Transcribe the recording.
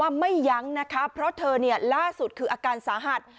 ไม่ยั้งนะคะเพราะเธอเนี่ยล่าสุดคืออาการสาหัส